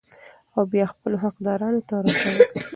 او بيا خپلو حقدارانو ته رسول ،